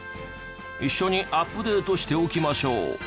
一緒にアップデートしておきましょう。